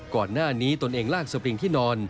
ก่อนหน้านี้ตนเองลากสปริงที่นอน